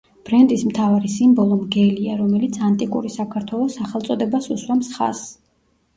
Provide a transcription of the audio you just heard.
ბრენდის მთავარი სიმბოლო მგელია, რომელიც ანტიკური საქართველოს სახელწოდებას უსვამს ხაზს.